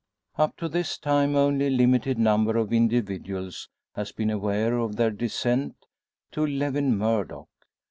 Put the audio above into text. Up to this time only a limited number of individuals has been aware of their descent to Lewin Murdock.